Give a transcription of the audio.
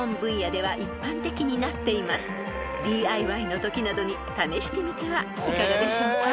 ［ＤＩＹのときなどに試してみてはいかがでしょうか］